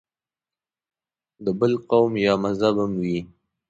د بل قوم یا مذهب هم وي.